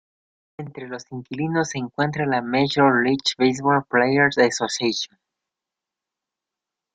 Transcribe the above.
Entre los inquilinos se encuentra la Major League Baseball Players Association.